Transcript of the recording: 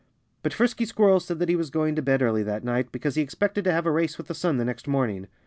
But Frisky Squirrel said that he was going to bed early that night, because he expected to have a race with the sun the next morning.